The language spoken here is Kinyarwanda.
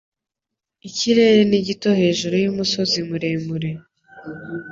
Ikirere ni gito hejuru yumusozi muremure.